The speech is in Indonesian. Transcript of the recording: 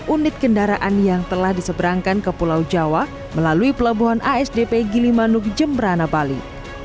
lima ribu dua ratus tujuh puluh sembilan unit kendaraan yang telah diseberangkan ke pulau jawa melalui pelabuhan asdp gilimanuk jembrana bali